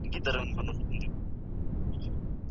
بېرته به يې مومې.